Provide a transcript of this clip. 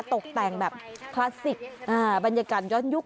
ตกแต่งแบบคลาสสิกบรรยากาศย้อนยุค